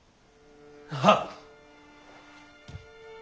はっ！